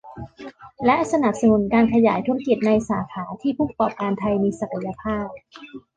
และสนับสนุนการขยายธุรกิจในสาขาที่ผู้ประกอบการไทยมีศักยภาพ